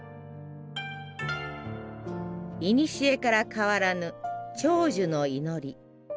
いにしえから変わらぬ長寿の祈り。